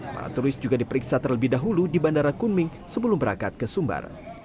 para turis juga diperiksa terlebih dahulu di bandara kunming sebelum berangkat ke sumbar